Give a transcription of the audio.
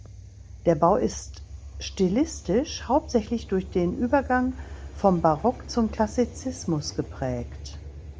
Der Bau ist stilistisch hauptsächlich durch den Übergang vom Barock zum Klassizismus geprägt.